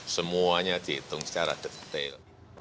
semuanya dihitung secara detail